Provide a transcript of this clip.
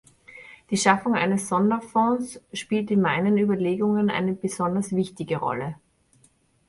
Die Schaffung eines Sonderfonds spielt in meinen Überlegungen eine besonders wichtige Rolle.